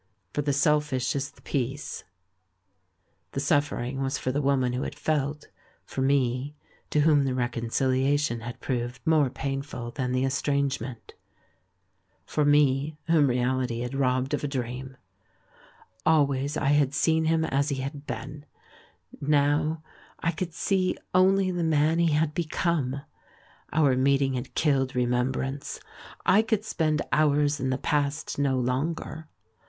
For the selfish is the peace. The suffering was for the woman who had felt —■ for me, to whom the reconciliation had proved 882 THE IMAN WHO UNDERSTOOD WOMEN more painful than the estrangement — for me, whom reahty had robbed of a dream I Always I had seen him as he had been — now I could see only the man he had become. Our meeting had killed Remembrance ; I could spend hours in the past no longer.